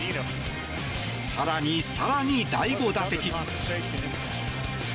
更に更に第５打席。